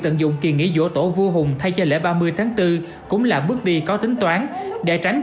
tận dụng kỳ nghỉ dỗ tổ vua hùng thay cho lễ ba mươi tháng bốn cũng là bước đi có tính toán để tránh